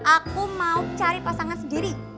aku mau cari pasangan sendiri